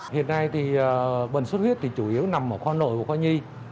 hiện nay thì bệnh xuất huyết thì chủ yếu nằm ở kho nội của kho nhi